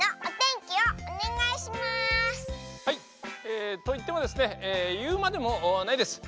えといってもですねいうまでもないです。